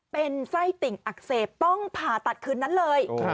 เป็นไส้ติ่งอักเสบต้องผ่าตัดคืนนั้นเลย